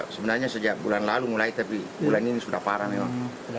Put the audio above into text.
sebenarnya sejak bulan lalu mulai tapi bulan ini sudah parah memang